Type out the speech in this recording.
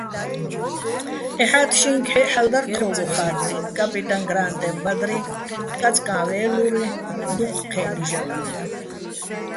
ეჰ̦ათ შინგჰ̦აჸ ჰ̦ალო̆ დარ თხო́გო ხა́ტტინო̆ "კაპიტაჼ გრა́ნტეჼ ბადრი", "კაწკაჼ ვე́ლური", დუჴ ჴე́ნი ჟაგნუჲ.